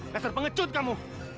masar pengecut kamu